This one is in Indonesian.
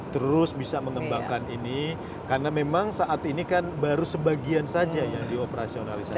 terus bisa mengembangkan ini karena memang saat ini kan baru sebagian saja yang dioperasionalisasi